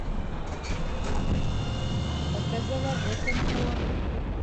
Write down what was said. Ә кәзәләрҙе кем ҡыуыр?